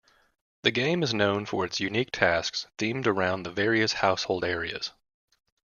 The game is known for its unique tasks themed around the various household areas.